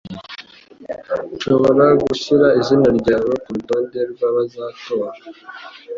Ushobora gushyira izina ryawe kurutonde rw’abazatora.